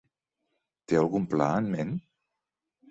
Té algun pla en ment?